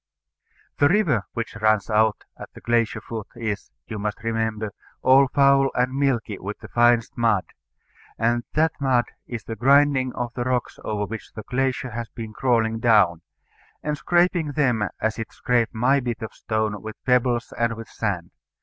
The river which runs out at the glacier foot is, you must remember, all foul and milky with the finest mud; and that mud is the grinding of the rocks over which the glacier has been crawling down, and scraping them as it scraped my bit of stone with pebbles and with sand.